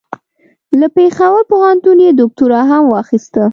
له پېښور پوهنتون یې دوکتورا هم واخیسته.